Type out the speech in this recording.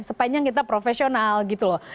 sepanjang kita profesional gitu loh